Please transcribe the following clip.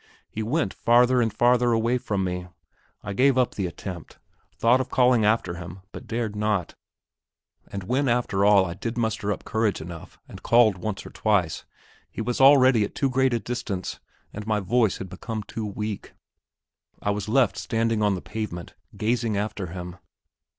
He went farther and farther away from me. I gave up the attempt; thought of calling after him, but dared not; and when after all I did muster up courage enough and called once or twice, he was already at too great a distance, and my voice had become too weak. I was left standing on the pavement, gazing after him.